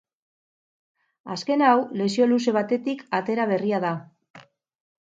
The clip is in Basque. Azken hau lesio luze batetik atera berria da.